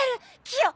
キヨ